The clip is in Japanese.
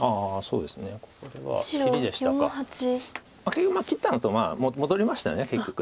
結局切ったのと戻りました結局。